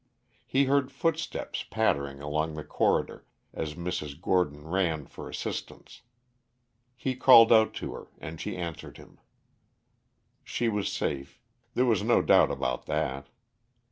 He heard footsteps pattering along the corridor as Mrs. Gordon ran for assistance. He called out to her and she answered him. She was safe. There was no doubt about that.